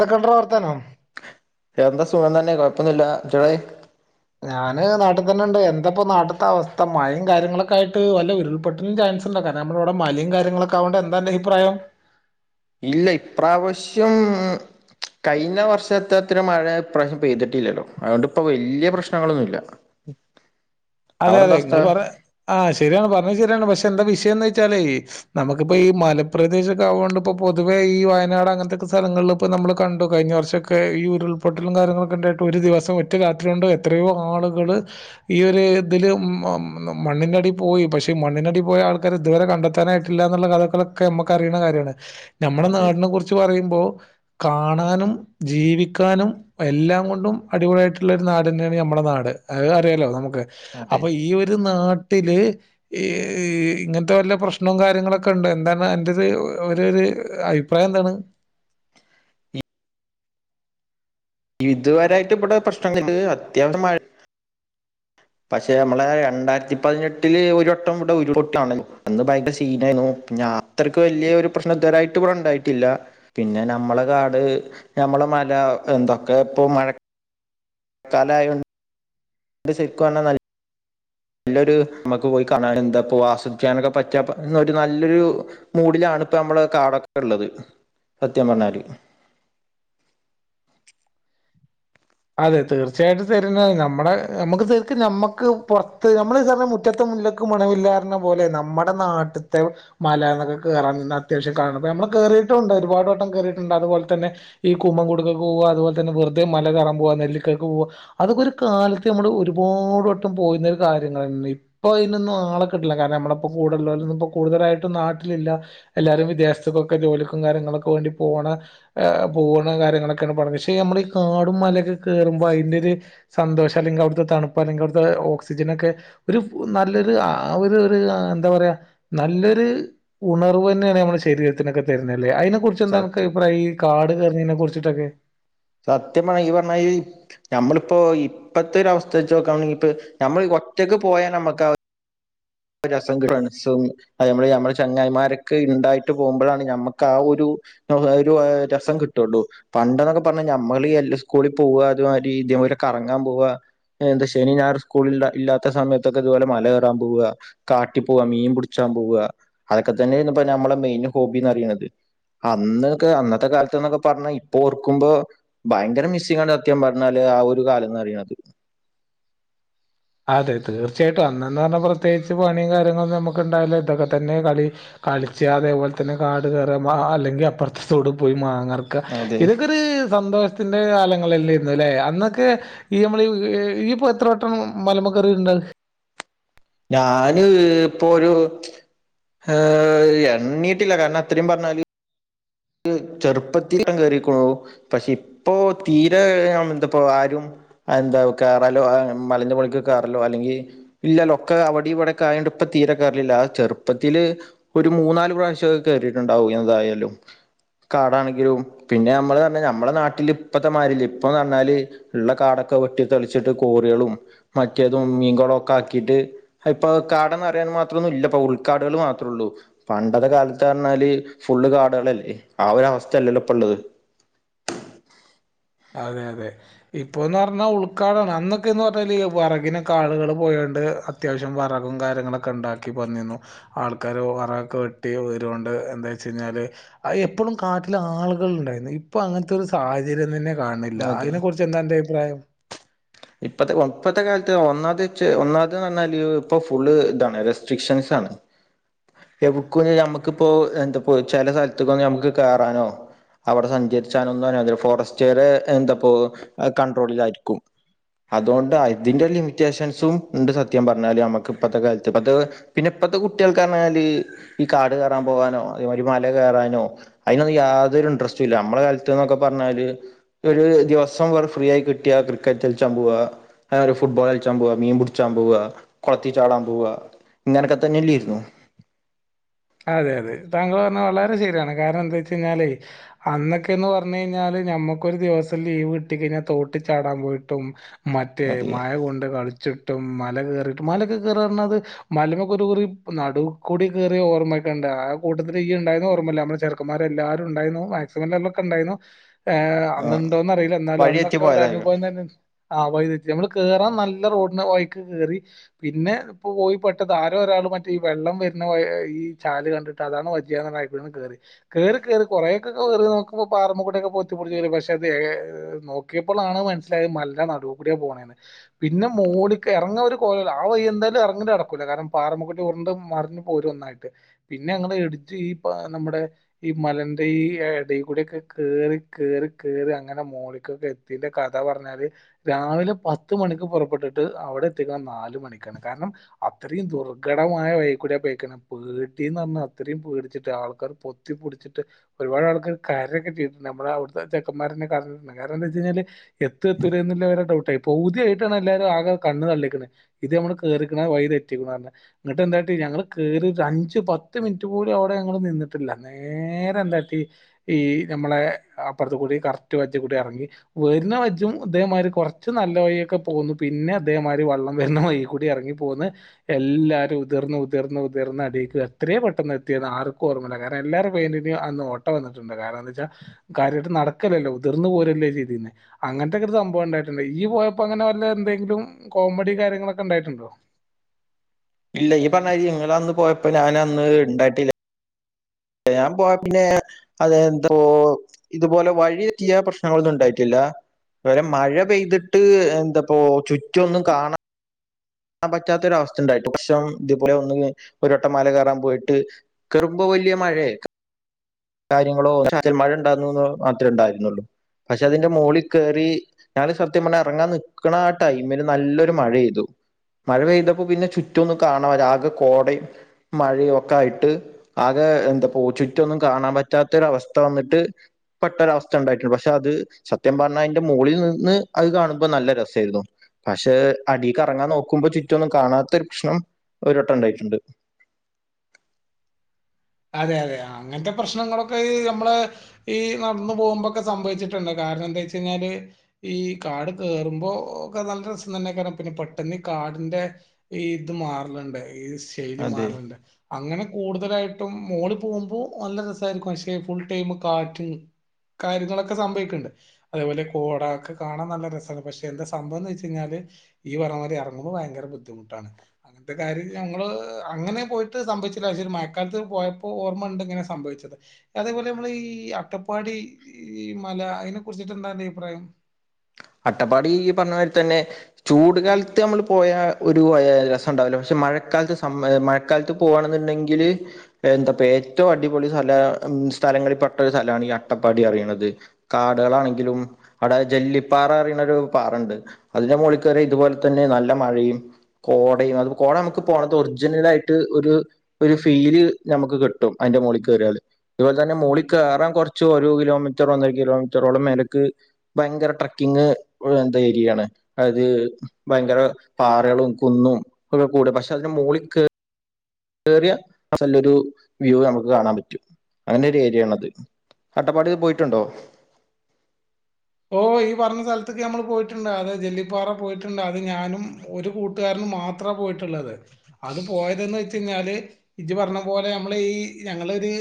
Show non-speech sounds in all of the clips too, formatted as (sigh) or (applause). Second പ്രവർത്തനോ എന്താ സുഖം തന്നെ കൊഴപ്പൊന്നുല്ല ചൂടേ ഞാൻ നാട്ട് തന്നണ്ട് എന്താപ്പം നാട്ട്ത്തെ അവസ്ഥ മഴെ കാര്യങ്ങളെക്കെ ആയിട്ട് വല്ല ഉരുൾപ്പൊട്ടല്നു ചാൻസ് ണ്ടോ കാരണം നമ്മളെവടെ മലയും കാര്യങ്ങളൊക്കെ ആതുകൊണ്ട് എന്താന്റെ അഭിപ്രായം ഇല്ലേ ഇപ്രാവശ്യം കഴിഞ്ഞ വർഷത്തത്ര മഴ ഇപ്രാവശ്യം പെയ്തിട്ടില്ലല്ലോ അതുകൊണ്ടിപ്പംവല്യപ്രശ്നങ്ങളൊന്നുല്ല അതെ അതെ ഇങ്ങൾ പറ ആ ശരിയാണ് പറഞ്ഞത് ശരിയാണ് പക്ഷെ എന്താ വിഷ എന്ന് വെച്ചാലേ നമുക്ക്പ്പോ ഈ മലപ്രദേശംഒക്കെ ആയോണ്ട് ഇപ്പം പൊതുവേ ഈ വയനാട് അങ്ങനത്തെക്കെ സ്ഥലങ്ങളിൽ ഇപ്പൊ നമ്മൾ കണ്ടു കഴിഞ്ഞ വർഷം ഒക്കെ ഈ ഉരുൾപൊട്ടലും കാര്യങ്ങളൊക്കെ ഉണ്ടായിട്ട് ഒരു ദിവസം ഒറ്റ രാത്രി കൊണ്ട് എത്രയോ ആളുകൾ ഈ ഒരു ഇതില് മണ്ണിന്റെ അടി പോയി പക്ഷെ മണ്ണിന്റടി പോയ ആൾക്കാരെ ഇതുവരെ കണ്ടെത്താനായിട്ടില്ല എന്നുള്ള കഥകളൊക്കെ മ്മക്ക് അറിയിണകാര്യാണ് ഞമ്മടെ അതെ നാടിനെ കുറിച്ച് പറയി ബോ കാണാനും ജീവിക്കാനും എല്ലാം കൊണ്ടും അടിപൊളിയായിട്ടുള്ള ഒരു നാട് തന്നെയാണ് നമ്മുടെ നാട് അത് അറിയാലോ നമുക്ക് അതെ അപ്പൊ ഈയെര് നാട് ട്ടില് ഇങ്ങനത്തെ വല്ല പ്രശ്നവും കാര്യങ്ങളൊക്കെണ്ട് എന്താന്ന എന്റെത് ഒരെ ഒര്അഭിപ്രായം എന്താണ് ഇതുവരായിട്ട് ഇവിടെ പ്രശ്നങ്ങൾ അത്യാവശ്യം മഴ പക്ഷെ ഇമ്മളെ രണ്ടായിരത്തി പതിനെട്ടില് ഒര് വട്ടം ഇവടെ ഒരു ൾപ്പൊട്ടല് കാണണെന്നു അന്ന് ഭയങ്കര സീനായിരുന്നു ഞ യാത്രക്ക് വല്യ പ്രശ്നം ഇതുവരെയായിട്ട് ഇവടെ ണ്ടായിട്ടില്ല പിന്നെ ഞമ്മളെ കാട് ഞമ്മളെമല എന്തൊക്കെപ്പം മഴ കലായോണ്ട് അത് ശരിക്കുപറഞ്ഞന്നാൽ നല്ലൊരു നമ്മക്ക് പോയി കാണാൻ എന്താപ്പോ ആസ്വദിക്കാനൊക്കെ പറ്റാനൊര് നല്ലൊരു മൂഡിലാാണ് ഇപ്പോമ്മളെ കാടൊക്കെള്ളത് സത്യം പറഞ്ഞാല് അതെ തീർച്ചയായിട്ടും ശരി തന്നെണ് നമ്മളെ നമ്മക്ക് ശരിക്ക് നമ്മക്ക് പുറത്ത് നമ്മൾ ഈ സമയം മുറ്റത്തെ മുല്ലക്ക് മണവില്ലാന്ന് പറഞ്ഞ പോലെ നമ്മടെ നാട്ട്‌ത്തെ മലന്നൊക്കെ കേറാൻ നിന്ന അത്യാവിശ്യം കാണുബം അമ്മൾ കേറിട്ടുണ്ട് ഒരുപാട് വട്ടം കേറിയിട്ടുണ്ട് അതുപലെത്തന്നെ ഈ കുമങ്കോടുക്കക്ക്പോക്അതുപോലെ തന്നെ വെറുതെ മല കേറാൻ പോവ നെല്ലിക്കക്ക് പോവാ അതൊക്കെ ഒരു കാലത്ത് അമ്മള് ഒരുപാട് വട്ടം പോയിരുന്നൊരു കാര്യങ്ങളെന്ന് ഇപ്പം അയ്നോന്നും ആളെ കിട്ടില്ല കാരണം അമ്മളെപ്പം കൂടെള്ളോലൊന്നുപ്പംകൂടുതലായിട്ടും നാട്ടിലില്ല എല്ലാരും വിദേശത്ത്ക്കൊക്കെ ജോലിക്കും കാര്യങ്ങളൊക്കെ വേണ്ടി പോകണ പോണ കാര്യങ്ങളൊക്കെയാണ് പറയ പക്ഷെ ഞമ്മളെ ഈ കാടും മലെക്കെ കേറുബം അയിന്റെ ഒര് സന്തോഷം അല്ലെങ്കിൽ അവുടുത്ത തണുപ്പ് അല്ലെങ്കിൽ അട്ത്തെ ഓക്സിജൻ ഒക്കെ ഒരു നല്ലൊര് ഒര് ഒര എന്താ പറയാ നല്ലൊരു ഉണർവ് ന്നെയാണ് നമ്മളെ ഒക്കെ ശരീരത്തിനൊക്കെ തര്ന്നെല്ലേഅയ്‌ന് കുറിചെന്ത അനക്ക് സത്യം അഭിപ്രായം ഈ കാട് റെനിനെ കുറിച്ചിട്ടൊക്കെ സത്യ പറയി ഇയിപറഞ്ഞായിരി നഞമ്മളിപ്പോ ഇപ്പത്തെ ഒര് അവസ്ഥ വെച്ച് നോക്കാണെങ്കിൽ ഇപ്പ നമ്മള് ഒറ്റക്ക് പോയാൽ അമ്മക്ക് രസം കി ഫ്രണ്ട്സും അത് അമ്മള അമ്മള ചങ്ങായിമാരൊക്കെ ഇണ്ടായിട്ട് പോമ്പഴാണ് ഞമ്മക്ക് ആ ഒരു ഒരു രസം കിട്ടുള്ളൂ പണ്ടെന്നൊക്കെ പറഞ്ഞ ഞമ്മളീ എല്ലാ സ്കൂളിൽ പോവ അത് മാതിരി (unintelligible) കറങ്ങാൻ പോവുക എന്താ ശനിയും ഞായറും സ്കൂളിൽ ഇല്ലാത്ത സമയത്തൊക്കെ ഇതുപോലെ മല കേറാൻ പോവുക കാട്ടി പോവാ മീൻ പുടിച്ചാൻ പോവ അതൊക്കെ തന്നെ ആയിര്ന്ന്പ്പ നമ്മളെ മെയിൻ ഹോബിന്നറിയണത് അന്നെക്കെ അന്നത്തെ കാലത്ത്ന്നൊക്കെ പറഞ്ഞ ഇപ്പൊ ഓർക്കുമ്പോ ഭയങ്കര മിസ്സിങ് ആണ് സത്യം പറഞ്ഞാല് ആ ഒരു കാലംന്ന് പറയണത് അതെ തീർച്ചയായിട്ടും അന്നെന്ന് പറഞ്ഞാൽ പ്രത്യേകിച്ച് പണി കാര്യങ്ങളൊക്കെ നമ്മക്ക്ണ്ടായില്ല ഇതൊക്കെ തന്നെ കളി കളിച്ചാതെ അതേപോലെ തന്നെ കാട് കയറ അല്ലെങ്കിൽ അപ്പുറത്തതൊടു പോയി മാങ്ങ ഇതൊക്കെ അതെ ഇതക്കൊരു സന്തോഷ ന്റെ കാലങ്ങളല്ലേന്ന ഇന്നലെ അന്നൊക്കെ ഈ നമ്മളപ്പോ എത്രോട്ടം മലമക്കറി ഉണ്ട്. ഞാന് ഇപ്പൊ ഒരു ഏ എണ്ണീട്ടില്ല കാരണം അത്രയും പറഞ്ഞാല് ചെറുപ്പത്തി കേറിക്കുണു പക്ഷെ ഇപ്പോതീരെ എന്തപ്പോ ആരും എന്താ കേയറാലോ മലഞ്ഞ മൊളക്ക് കേയറല്ലോ അല്ലെങ്കിൽ ഇല്ലല്ലോ ഒക്കെ അവിടെ ഇവിടെക്കെ ആയതോണ്ട് ഇപ്പ തീരെ കേയറലില്ല ആ ചെറുപ്പത്തില് ഒരു മൂന്നാല് പ്രാവശ്യോക്കെ കേ റിയിട്ടുണ്ടാവും ഏതായാലും. കാടാണെങ്കിലും പിന്നെ നമ്മള് പറഞ്ഞാ നമ്മളെ നാട്ടിൽ ഇപ്പത്തെ മാതില്ല ഇപ്പന്ന് പറഞ്ഞാല് ള്ള കാടൊക്കെ വെട്ടി തെളിച്ചിട്ട് കോറികളും മറ്റേതും മീൻകളമൊക്കെ ആക്കിട്ട് ഇപ്പൊ കാടന്ന്റിയാൻ മാത്രൊ ഒന്നും ഇല്ല ഇപ്പ ഉൾക്കാടുകൾ മാത്രേ ഉള്ളൂ പണ്ടത്തെ കാലത്ത് പറഞ്ഞാല് ഫുള്ള് കാടുകളല്ലേ. ആ ഒരു അവസ്ഥയല്ലല്ലോപ്പ ള്ളത്. അതെ അതെ ഇപ്പൊന്ന് പറഞ്ഞാ ഉൾക്കാടാണ് അന്നൊക്കെന്ന് പറഞ്ഞാല് വിറകിനെ കാളുകള് പോയോണ്ട് അത്യാവശ്യം വിറകും കാര്യങ്ങളൊക്കെ ഉണ്ടാക്കി വന്നിരുന്നു. ആൾക്കാര് വറകൊക്കെ വെട്ടി ഉയരുകൊണ്ട് എന്താ വെച്ച കഴിഞ്ഞാല് എപ്പോഴും കാട്ടില ആളുകൾ ഉണ്ടായിരുന്നു ഇപ്പൊ അങ്ങനത്തെ ഒരു സാഹചര്യം തന്നെ കാണില്ല അതെ അതിനെ കുറിച്ച് എന്താ അ ന്റെ അഭിപ്രായം. ഇപ്പത്തെ ഇപ്പഴത്തെ കാലത്ത് ഒന്നാത് ഒന്നാത് പറഞ്ഞാല് ഇപ്പൊ ഫുള്ള് ഇതാണ് റെസ്ട്രിക്ഷൻസ് ആണ് എടു ക്ക നമ്മുക്കിപ്പോ എന്ത ചില സ്ഥലത്തക്ക നമക്ക് കേറാനോ അവിടെ സഞ്ചരിച്ചാനോന്നും ഫോറസ്റ്റ്റെ എന്താപ്പോ കണ്ട്രോളിലായിരിക്കും. അതുകൊണ്ട് അതിന്റെ ലിമിറ്റേഷൻസും ഉണ്ട് സത്യം പറഞ്ഞാല് നമ്മുക്ക് ഇപ്പഴത്തെ കാലത്ത് ഇപ്പത്തെ പിന്നെ ഇപ്പഴത്തെ കുട്ടികൾക്ക് പറഞ്ഞാല് ഈ കാട് കയറാൻ പോകാനോ അതേമാരി മല കയറാനോ അതിനൊന്നും യാതൊരു ഇൻട്രറസ്റ്റും ഇല്ല നമ്മളെ കാലത്ത്ന്നൊക്കെ പറഞ്ഞാല് ഒരു ദിവസം വ ഫ്രീ ആയി കിട്ടിയാ ക്രിക്കറ്റ് ച്ചാൻ പോവാ, (unintelligible) ഒരു ഫുട്ബോൾ, കഴിച്ചാൻ പോവാ, മീൻപടിച്ചാൻ പോവാ, കൊളത്തി ചാടാൻ പോവാ, ഇങ്ങനൊക്കെ തന്നെല്ലീരുന്നോ അതെ അതെ താങ്കൾ പറഞ്ഞ വളരെ ശരിയാണ്. കാരണം എന്താ വെച്ച കഴിഞ്ഞാല്അന്നൊക്കെന്ന് പറഞ്ഞഞ് കഴിഞ്ഞാല് നഞമ്മക്കൊരു ദിവസം ലീവ് കിട്ട കഴിഞ്ഞാൽ തോട്ടി ചാടാൻ പോയിട്ടും മറ്റേ അതെ മഴ കൊണ്ട് കളിച്ചിട്ടും മ മല കേറിയിട്ട് മല ഒക്കെ കേറാ പറഞ്ഞാഅത് മലമക്ക് ഒരു കുറി നടുകൂടെ കേറി ഓർ ക്കണ്ട് ആ കൂട്ടത്തിൽ ഇയ് ഉണ്ടായിന്ന ഓർമ്മല്ല നമ്മ ചെറുന്മാർരെല്ലാവുംണ്ടായി മാക്സിമം എല്ലൊക്കെ ഉണ്ടായിരുന്നു. ആഹ് ഏഅന്നുണ്ടോന്ന്റിയില്ല എന്നാലും വഴിതെറ്റി അന്നൊക്കെ ഒരു പോയതായിരിക്കും അനുഭവം തന്നെ ആ വൈയ് തെറ്റി ഞമ്മള് കേറാൻ നല്ല റോഡിന് വൈക്ക് കറി പിന്നെ ഇപ്പൊ പോയി പെട്ടത് ആാര ഒരാൾ മറ്റേ ഈ വെള്ളം വരുന്ന ഈ ചാല് കണ്ടിട്ട് അതാണ് വച്ച് അയ്കുട്ടേണ്ട് കേറി കേറി കേറി കുറേക്കെ കേറി നോക്കുമ്പ പാറമമ്മക്കുട്ടിയൊക്കെ പൊത്തിപ്പൊടിച്ചുരും പക്ഷെ അത് ഏ നോക്കിയപ്പോളാണ് മനസ്സിലായത് മല്ല നടുവ കൂടിയാ പോണേന്ന് പിന്നെ മോടി ഇറങ്ങ ഒരു കൊവല്ല ആ വൈ്യ എന്തായാലും ഇറങ്ങി അടക്കൂല്ല കാരണം പാറമക്കുട്ടി ഉറണ്ട് മറിഞ്ഞ് പോരും ഒന്നായിട്ട്. പിന്നെ ഞൾ എടിച്ച് ഈ നമ്മുടെ ഈ മലന്റെ ഈ എടെകൂടെക്കെ കേറി കേറി കേറി അങ്ങനെ മോളിക്കൊക്കെ എത്തിന്റെ കഥ പറഞ്ഞാല് രാവിലെ പത്ത് മണിക്ക് പുറപ്പെട്ടിട്ട് അവിടെ എത്തിക്കുന്ന നാല മണിക്കാണ് കാരണം അത്രയും ദുർഘടമായവായി ക്കു ടെ പോയിക്കണ് പേ (unintelligible) പറഞ്ഞ അത്രയും പേടിച്ചിട്ട് ആൾക്കാർ പൊത്തിപ്പൊടിച്ചിട്ട് ഒരുപാട് ആൾക്കാര് കരയെക്കെ ചെയ്തിട്ട്ണ്ട് നമ്മള അവിടുത്തെ ചെക്കമാരെന്നെ കരഞ്ഞിട്ടുണ്ട് കാരണം എന്താന്ന് വെച്ച് കഴിഞ്ഞാല് എത്തുവോ എത്തില്ലയോ എന്നുള്ള ഡൗട്ടേ തിയായിട്ടാണ് എല്ലാവരും ആകെ കണ്ണ് തള്ളീക്കണ് ഇത് നമ്മള് കേറിക്കണ വൈ തെറ്റിക്കണ് പറഞ്ഞ് ഇന്നിട്ട് ന്താ കാട്ടിയേ ഞങ്ങള് കേറി ഒര് അഞ്ച് പത്ത് മിനിറ്റ് കൂടി അവിടെ ഞങ്ങ നിന്നിട്ടില്ല. നേരെ എന്താട്ട ഈ നമ്മളെ അപ്പറത്ത കൂടി കറക്റ്റ് വജ്ജം കൂടി ഇറങ്ങി വരുന്ന വജ്ജയും അതേമാതിരി കുറച്ച് നല്ല വഴിയൊക്കെ പോന്നു. പിന്നെ അതേമാതിരി വെള്ളം വരുന്ന വഴി കൂടി ഇറങ്ങി പോന്ന് എല്ലാവാരും ഉതിർന്ന് ഉതിർന്ന് ഉതിർന്ന് അടിക്ക് എ എത്രയും പെട്ടെന്ന് എത്തിയന്ന് ആർക്കും ഓമ്മല്ല കാരണം എല്ലാരും വേണ്ടന് അന്ന് ഓട്ട വന്നിട്ടുണ്ട് കാരണം എ വെച്ചാൽ കാര്യമായിട്ട് നടക്കലല്ലോ ഉതിർന്നു പോരുല്ലോ ചെയീതിന്നെ അങ്ങനത്തെൊക്കെ ഒരു സംഭവം ഉണ്ടായിട്ടുണ്ട്. ഈ പോയപ്പോ അങ്ങനെ വല്ല എന്തെങ്കിലും കോമഡി കാര്യങ്ങളൊക്കെ ഉണ്ടായിട്ടുണ്ടോ. ഇല്ല ഈ പറഞ്ഞാ ഇങ്ങ അന്ന് പോയപ്പോ ഞാൻ അന്ന് ഇണ്ടായിട്ടില്ല. ഞാൻ പോയ പിന്നെ അത് എന്തോ ഇതുപോലെ വഴി തെറ്റിയ പ്രശ്നങ്ങളൊന്നും ഉണ്ടായിട്ടില്ല ഇല്ല (unintelligible) മഴ പെയ്തിട്ട് എന്താപ്പോ ചുറ്റൊന്നും കാണാ കാണൻ പറ്റാത്ത ഒരവസ്ഥ ഉണ്ടായിട്ട് പക്ഷേ ഇതേപോലെ ഒന്ന് ഒരു വട്ടം മല കയറാൻ പോയിട്ട് കേറുമ്പോ വല്യ മഴയെ കാര്യങ്ങളോ ചാറ്റൽ മഴ ഉണ്ടാരുന്നൂന്ന് മാത്രേ ഉണ്ടായിരുന്നുള്ളൂ പക്ഷെ അതിന്റെ മോളി കേറി ഞങ്ങള് സത്യം പറഞ്ഞാ എറങ്ങാൻ നിക്കണ ആ ടൈമില് നല്ലൊരു മഴെയ്തു മഴ പെയ്തപ്പോ പിന്നെ ചുറ്റു ഒന്നും കാണാ ആകെ കോടയും മഴയും ഒക്കെ ആയിട്ട് ആകെ എന്താപ്പോ ചുറ്റൊന്നും കാണാൻ പറ്റാത്തരൊവസ്ഥ വന്നിട്ട് പെട്ടരൊവസ്ഥ ഉണ്ടായിട്ടുണ്ട് പക്ഷെ അത് സത്യം പറഞ്ഞാ അതിൻ്റെ മോളി നിന്ന് അത് കാണുമ്പോ നല്ല രസായിരുന്നു പക്ഷെ അടീക്കെറങ്ങാൻ നോക്കുമ്പോ ചുറ്റുമൊന്നും കാണാത്ത ഒരു പ്രശ്നം ഒരു വട്ടം ഇണ്ടായിട്ടുണ്ട് അതെ അതെ അങ്ങനത്തെ പ്രശ്നങ്ങളൊക്കെ നമ്മള് ഈ നടന്ന പോകുമ്പോൊക്കെ സംഭവിച്ചിട്ടുണ്ട് കാരണം എന്താ വെച്ച കഴിഞ്ഞാല് ഈ കാട് കേറുമ്പോ ഒക്കെ നല്ല രസം തന്നെ കാരണം പിന്നെ പെട്ടെന്ന് കാടിന്റെ ഈ ഇത് മാറലണ്ട്. ശൈലി അതെ മാറുന്നുണ്ട്. അങ്ങനെ കൂടുതലായി ഇ മോള് പോകുമ്പോ നല്ല രസമായിരിക്കും പക്ഷെ ഫുൾ ടൈം കാറ്റും കാര്യങ്ങളൊക്കെ സംഭവിക്കുന്നുണ്ട് അതേപോലെ കോട ഒക്കെ കാണാൻ നല്ല രസമാണ് പക്ഷെ എന്താ സംഭവം എന്ന് വെച്ച് കഴിഞ്ഞാല് ഈ പറം വരെ ഇറങ്ങുന്നത് ഭയങ്കര ബുദ്ധിമുട്ടാണ് അങ്ങനത്തെ കാര്യം ഞങ്ങള് അങ്ങനെ പോയിട്ട് സംഭവിച്ചില്ല. പ കാലത്ത് പോയപ്പോ ഓർമ്മ ഉണ്ട് ഇങ്ങനെ സംഭവിച്ചത് അതേപോലെ നമ്മൾ ഈ അട്ടപ്പാടി ഈ മല അതിനെ കുറിച്ചിട്ട് എന്താന്റെ അഭിപ്രായം. അട്ടപ്പാടി ഈ പറഞ്ഞമാതിരി തന്നെ ചൂട് കാലത്ത് നമ്മള് പോയാ ഒരു രസം ഇണ്ടാവൂല്ലാ പക്ഷെ മഴക്കാലത്ത് സമ് മഴക്കാലത്ത് പോകയാണെന്നുണ്ടെങ്കില് എന്താപ്പ ഏറ്റവും അടിപൊളി സ്ഥല സ്ഥലങ്ങളിൽ പെട്ട ഒരു സ്ഥലമാണ് ഈ അട്ടപ്പാടി അറിയണുന്നത് കാടുകളാണെങ്കിലും അവിടെ ജല്ലിപ്പ് പാറന്ന് പറിയുന്ന ഒരു പാറുണ്ട് അതിന്റെ മോളിൽ കയറി ഇതുപോലെ തന്നെ നല്ല മഴയും കോടയും അത് കോട നമുക്ക് പോണത് ഒറിജിനൽ ആയിട്ട് ഒരു ഒരു ഫീല് നമുക്ക് കിട്ടും. അതിന്റെ മോളിൽ കേറിയാല് ഇതുപോലെ തന്നെ മോളിൽ കേറാൻ കുറച്ച് ഒരു കിലോമീറ്റർ ഒന്നര കിലോമീറ്ററോളം മേലക്ക് ഭയങ്കരട്ര ക്കിങ്ങ്എന്ത ഏരിയാണ് അതായത് ഭയങ്കര പാറകളും കുന്നും ഒ കൂട പക്ഷെ അതിന്റെ മോളിൽ കേ വറിയ സ്ല്ല ഒരു വ്യൂ നമുക്ക് കാണാൻ പറ്റും അങ്ങനെ ഒരു ഏരിയയാണത്. അട്ടപ്പാടിൽ പോയി ഓ ഈ പറഞ്ഞ സ്ഥലത്തേക്ക് ഞമ്മള് പോയിട്ടുണ്ടാവില്ല ജല്ലി പ്പാറ പോ ഞാനും ഒരു കുട്ടുകാരും മാത്ര പോയിട്ടുള്ളത് അത് പോയത് എന്ന് വെച്ച് കഴിഞ്ഞാല് ഇച്ച് പറഞ്ഞപോലെ ഞമ്മള് ഈ ഞങ്ങളൊരു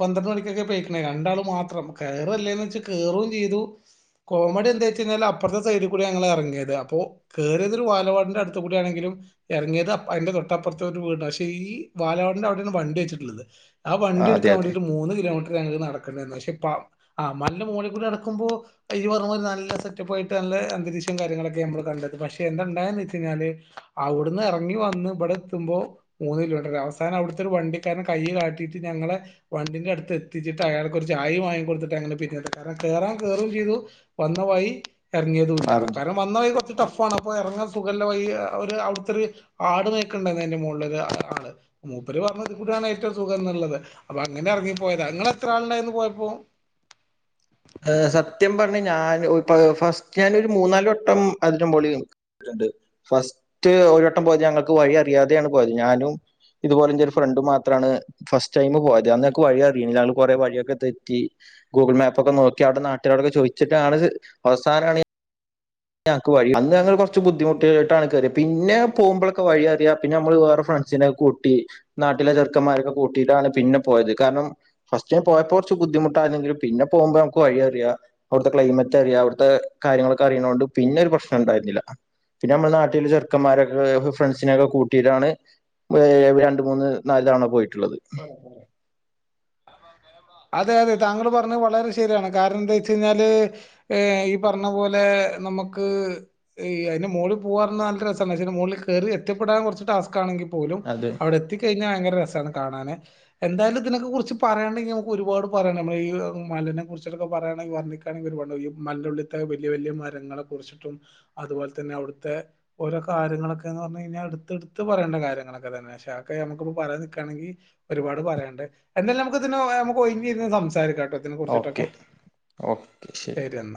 പന്ത്രണ്ട് മണിക്കൊക്കേ രണ്ടാളും മാത്രം കയറല്ലേന്ന് വെ കേയറും ചെയ്തു കോമഡി എന്താ വെച്ച കഴിഞ്ഞാൽ അപ്പുറത്തെ സൈഡിൽ കൂടെ ഞങ്ങൾ ഇറങ്ങിയത് അപ്പോ കേ യറിയത്ഒരു ഒരു വാലവാടിറെ അടുത്ത് കൂടിയ ആണെങ്കിലും ഇറങ്ങിയത് അതിന്റെ തൊട്ടപ്പുറത്തെ ഒരു വീട് പക്ഷേ ഈ അംഗൻവാടിയുട അവിടെയാണ് വണ്ടി വെച്ചിട്ടുള്ളത് ആ വണ്ടി അതെ എടുക്കൻ വേണ്ടി അതെ ഒരു മൂന്ന് കിലോമീറ്റർ അങ്ങനെയൊക്കെ നടന്നത് (unintelligible) പക്ഷെ നല്ല മോളിക്കൂടി അടക്കുമ്പോ ഈ പറഞ്ഞ നല്ല സെറ്റപ്പ ആയിട്ട് നല്ല അന്തരീക്ഷവും കാര്യങ്ങളൊക്കെ നമ്മള് കണ്ടത് പക്ഷെ എന്തണ്ടായന്ന് വെച്ച് കഴിഞ്ഞാല് അവിടുന്ന് ഇറങ്ങി വന്ന് ഇവിടെ എത്തുമ്പോൾ മൂന്ന് കിലോമീറ്റർ അവസാനം അവിടുത്തെ ഒരു വണ്ടിക്കാരൻ കൈ കാട്ടിയിട്ട് ഞങ്ങളെ വണ്ടിന്റെ അടുത്ത് എത്തിച്ചിട്ട് അയാൾ കുറച്ച് ആയി വാങ്ങി കൊടുത്തിട്ട് അങ്ങനെ പിന്നീ കാരണം കേറാൻ കേറും ചെയ്തു വന്ന വയി ഇറങ്ങിയതുല്ല ആറഞ്ചു കാരണം വന്നയി കുറച്ച് ടഫ് പോന്നപ്പം ഇറങ്ങാൻ സുഖല്ല വയിയേ ഒര് അവിട്ത്തൊരു ആട് മേക്കണ്ടായിരുന്നു അയിന്റെ മോളില് ആരാള് മൂപ്പര് പറഞ്ഞ് ഇവിടാണ് ഏറ്റവും സുഖം എന്നുള്ളത് അപ്പൊ അങ്ങനെ ഇറങ്ങിപ്പോയതാ ഇങ്ങള് എത്ര ആള്ണ്ടായി ട്ട് പോയപ്പോ ആഹ് സത്യം പറഞ്ഞ ഞാന് ഫസ്റ്റ് ഞാന് ഒരു മൂന്നാല് വട്ടം അതിന്റെ മോളി ട്ട്ണ്ട് ഫസ്റ്റ് ഒരുവട്ടം പോയത് ഞങ്ങൾക്ക് വഴി അറിയാതെയാണ് പോയത് ഞാനും ഇതുപോലെ ഇന്റെ ഒരു ഫ്രണ്ടും മാത്രാണ് ഫസ്റ്റ് ടൈം പോയത് അന്നക്ക് വഴി അറിയ ഞങ്ങൾ കുറെ വഴിയൊക്കെ തെറ്റി ഗൂഗിൾ മാപ്പൊക്കെ നോ ക്കി അവിടെ നാട്ടിരൊടൊക്കെ ചോദിച്ചിട്ടാണ് ഇത് അവസാനാണ് ഞങ്ങക്ക് വഴി അന്ന് ഞങ്ങൾ കൊറച്ച് ബുദ്ധിമുട്ടായിട്ടാണ് കേറിയെ പിന്നെ പോമ്പളൊക്കെ വഴിയറിയാം പിന്നെ നമ്മള് വേറെ ഫ്രണ്ട്സിനെ കൂട്ടി നാട്ടിലെ ചെറുക്കന്മാരൊക്കെ കൂട്ടിട്ടാണ് പിന്നെ പോയത് കാരണം ഫസ്റ്റ് പോയപ്പോ കുറച്ച് ബുദ്ധിമുട്ടാരുന്നെങ്കിലും പിന്നെ പോമ്പോ നമുക്ക് വഴി അറിയാം അവിടുത്തെ ക്ലൈമറ്റ് അറിയാം അവിടുത്തെ കാര്യങ്ങളൊക്കെ അറിയണോണ്ട് പിന്നെ ഒരു പ്രശ്നം ഇണ്ടായിരുന്നില്ല പിന്നെ നമ്മള് നാട്ടില് ചെറുക്കന്മാരൊക്കെ ഫ്രണ്ട്സിനെക്കെ കൂട്ടിയിട്ടാണ് രണ്ട് മൂന്ന് നാല് തവണ പോയി ട്ട്ള്ളത്. അതെ അതെ താങ്കള് പറഞ്ഞത് വളരെ ശെരിയാണ് കാരണം എന്താച്ചയ്ഞ്ഞാല് ഏഹ് ഈ പർണ പോലെ നമക്ക് ഈ അയ്ൻ്റെ മോള് പോവാ പറഞാ നല്ല രസാണ് പഷേ അയിന്റെ മോളിൽക്ക് കേറി എത്തിപ്പെടാൻ കൊറച്ച് ടാസ് കാണെങ്കി പോലും അത് അവടെ എത്തിക്കയ്ഞ്ഞാ വയങ്കര ര സാണ്. കാണാന് എന്തായാലും ഇതിനെക്കെ കുറിച്ച് പറയാണ്ടെങ്കി നമുക്ക് ഒരുപാട് പറയണം നമ്മള് ഈ മലെനെ കുറ്ച്ച്ട്ടൊക്കെ പറയാണെങ്കി വർണിക്കാണെങ്കി ഒരുപാട്ണ്ടാവും ഈ മലെന്റെ ഉള്ളിത്തെ വല്യ വല്യ മരങ്ങളെ കുറിച്ചിട്ടും അതുപോലെ തന്നെ അവ്ടുത്തെ ഓരോ കാര്യങ്ങളൊക്കേന്ന് പറഞ് കയ്ഞ്ഞാ ഇട്ത്ത് ഇട്ത്ത് പറയേണ്ട കാര്യങ്ങളൊക്കെ തന്നെ പക്ഷെ അ ഒക്കെ നമുക്ക്പ്പോ പറയാ നി നിക്കാണെങ്കി ഒരുപാട് പറയാൻണ്ട് എന്തായാലും നമുക്ക് ഇതിനെ നമുക്ക് ഒയിഞ്ഞിര്ന്ന് സംസാരിക്കാ ഓക്കെ, ഓക്കെ, ശെരി. ശരി എന്നാ